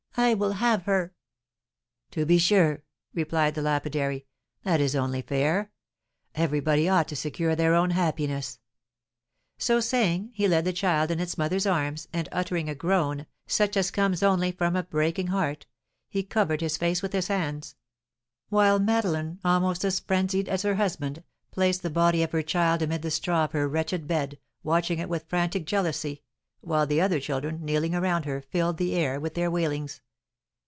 I will have her!" "To be sure," replied the lapidary; "that is only fair. Everybody ought to secure their own happiness!" So saying, he laid the child in its mother's arms, and uttering a groan, such as comes only from a breaking heart, he covered his face with his hands; while Madeleine, almost as frenzied as her husband, placed the body of her child amid the straw of her wretched bed, watching it with frantic jealousy, while the other children, kneeling around her, filled the air with their wailings.